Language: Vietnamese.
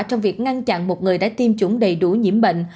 trong việc ngăn chặn một người đã tiêm chủng đầy đủ nhiễm bệnh